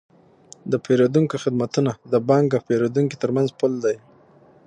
د پیرودونکو خدمتونه د بانک او پیرودونکي ترمنځ پل دی۔